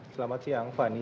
selamat siang fani